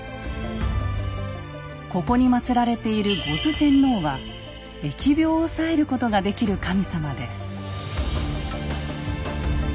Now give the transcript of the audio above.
ここに祭られている牛頭天王は疫病を抑えることができる神様です。